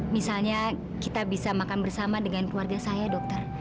misalnya kita bisa makan bersama dengan keluarga saya dokter